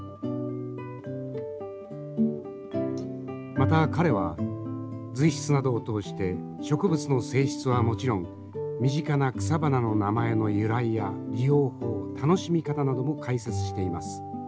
また彼は随筆などを通して植物の性質はもちろん身近な草花の名前の由来や利用法楽しみ方なども解説しています。